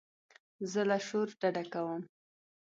زه له شور ډډه کوم.